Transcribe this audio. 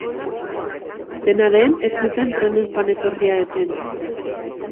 Dena den, ez zuten trenen joan-etorria eten.